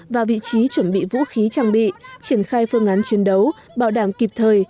và vị trí chuẩn bị vũ khí trang bị triển khai phương án chiến đấu bảo đảm kịp thời